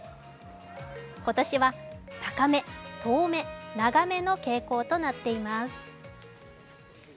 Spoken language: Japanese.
今年は、高め、遠め、長めの傾向となっています。